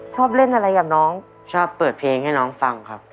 ชอบเล่นอะไรกับน้องชอบเปิดเพลงให้น้องฟังครับ